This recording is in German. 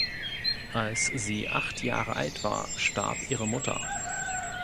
Als sie acht Jahre alt war, starb ihre Mutter.